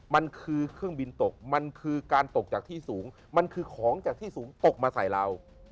มันคือเครื่องบินตกมันคือการตกจากที่สูงมันคือของจากที่สูงตกมาใส่เรา